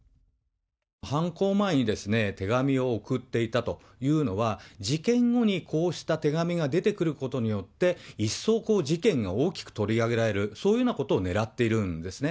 犯行前に手紙を送っていたというのは、事件後に、こうした手紙が出てくることによって、一層、事件が大きく取り上げられる、そういうようなことをねらっているんですね。